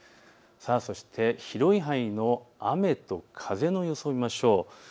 そして広い範囲の雨と風の予想を見ましょう。